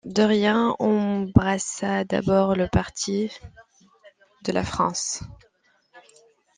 Doria embrassa d'abord le parti de la France.